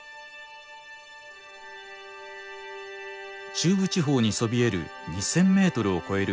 中部地方にそびえる２，０００ｍを超える山々。